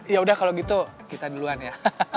ya udah kalau gitu kita duluan ya